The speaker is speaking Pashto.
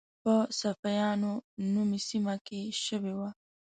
په صافیانو نومي سیمه کې شوې وه.